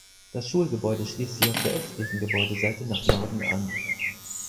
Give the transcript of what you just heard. Das Schulgebäude schließt sich auf der östlichen Gebäudeseite nach Norden an.